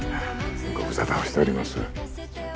ごぶさたをしております